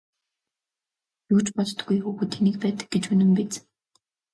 Юу ч боддоггүй хүүхэд тэнэг байдаг гэж үнэн биз!